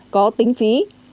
có tính phí